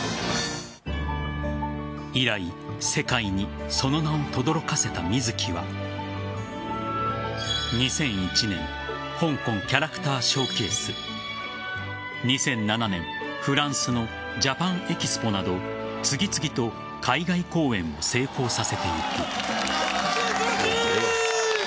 以来、世界にその名をとどろかせた水木は２００１年香港キャラクターショーケース２００７年、フランスのＪａｐａｎＥｘｐｏなど次々と海外公演を成功させていく。